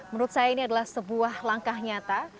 menurut saya ini adalah sebuah langkah nyata